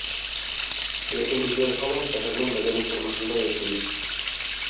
Ләкин үзе әле һаман шәһәрнең мәдәни тормышында яши иде.